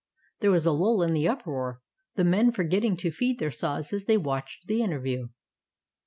There was a lull in the uproar, the men forgetting to feed their saws as they watched the interview.